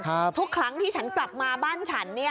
ทุกครั้งที่ฉันกลับมาบ้านฉันเนี่ย